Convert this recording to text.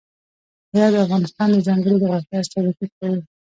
هرات د افغانستان د ځانګړي جغرافیه استازیتوب کوي.